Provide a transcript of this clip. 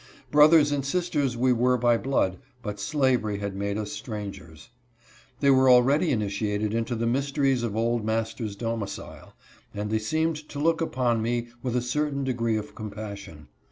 Broth ers and sisters we were by blood, but slavery had made us strangers. They were already initiated into the mys teries of old master's domicile, and they seemed to look upon me with a certain degree of compassion.